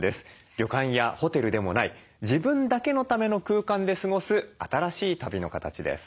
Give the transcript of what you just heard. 旅館やホテルでもない自分だけのための空間で過ごす新しい旅の形です。